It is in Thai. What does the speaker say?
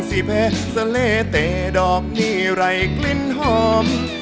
สิเพชรเลเตะดอกนี่ไร้กลิ่นหอม